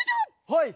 はい！